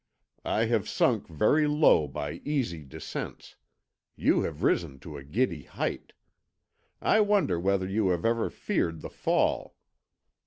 I have sunk very low by easy descents; you have risen to a giddy height. I wonder whether you have ever feared the fall.